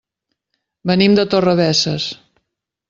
Venim de Torrebesses.